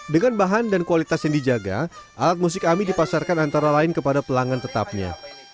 dengan bahan dan kualitas yang dijaga alat musik ami dipasarkan antara lain kepada pelanggan tetapnya